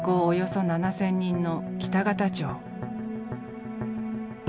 およそ７，０００人の北方町。